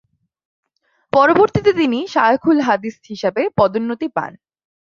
পরবর্তীতে তিনি শায়খুল হাদিস হিসেবে পদোন্নতি পান।